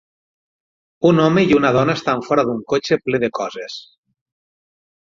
Un home i una dona estan fora d'un cotxe ple de coses.